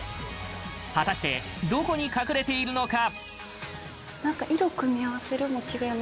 果たしてどこに隠れているのか？